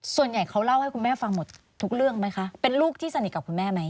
ส่วนใหญ่เขาเล่าให้คุณแม่ฟังหมดทุกเรื่องไหมคะเป็นลูกที่สนิทกับคุณแม่ไหม